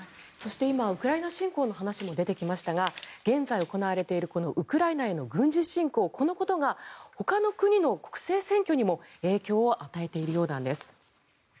そして今ウクライナ侵攻の話も出てきましたが現在行われているウクライナへの軍事侵攻このことがほかの国の国政選挙にも影響を与えているようなんです。